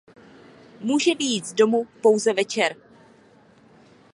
Může vyjít z domu pouze večer.